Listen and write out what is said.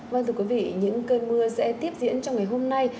vâng thưa quý vị những cơn mưa sẽ tiếp diễn trong ngày hôm nay